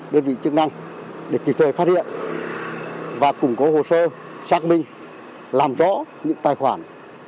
đơn vị chức năng để kịp thời phát hiện và củng cố hồ sơ xác minh làm rõ những tài khoản